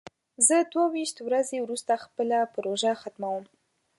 زه دوه ویشت ورځې وروسته خپله پروژه ختموم.